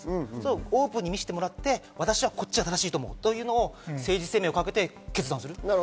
オープンに見せてもらって、私はこっちが正しいと思うというのを政治生命をかけて決断する。